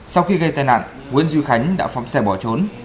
sau khi gây tai nạn nguyễn duy khánh đã phóng xe bỏ trốn